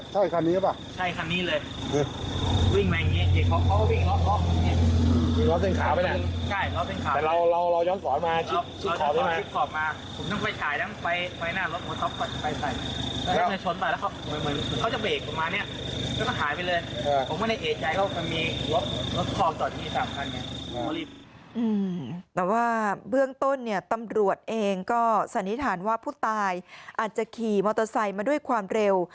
แต่ว่าเบื้องต้นเนี่ยตำรวจเองก็สันนิษฐานว่าผู้ตายอาจจะขี่มอเตอร์ไซค์มาด้วยความเร็ว